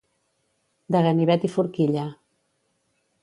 De ganivet i forquilla.